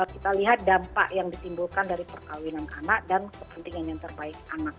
kita lihat dampak yang ditimbulkan dari perkawinan anak dan kepentingan yang terbaik anak